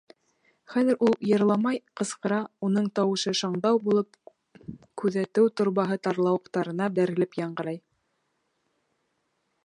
Хәҙер ул йырламай, ҡысҡыра, уның тауышы шаңдау булып Күҙәтеү Торбаһы тарлауыҡтарына бәрелеп яңғырай.